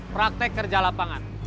praktek kerja lapangan